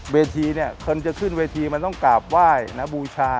เวทีเนี่ยคนจะขึ้นเวทีมันต้องกราบไหว้นะบูชา